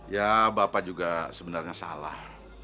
ya bapak juga sebenarnya salah